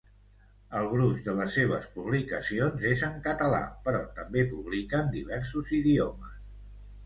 El gruix de les seves publicacions és en català, però també publiquen diversos idiomes.